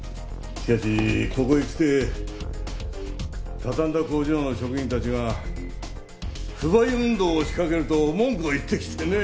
しかしここへきて畳んだ工場の職員たちが不買運動を仕掛けると文句を言ってきてね。